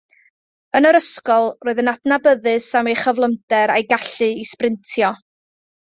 Yn yr ysgol, roedd yn adnabyddus am ei chyflymder a'i gallu i sbrintio.